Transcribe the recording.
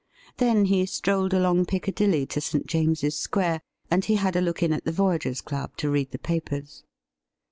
Then he strolled along Piccadilly to St. James's Square, and he had a look in at the Voyagers' Club to read the papers.